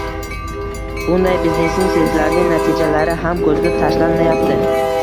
Bunday biznesning sezilarli natijalari ham ko‘zga tashlanmayapti.